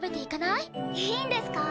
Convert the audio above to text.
いいんですか？